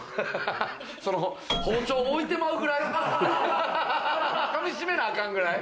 包丁置いてまうくらい？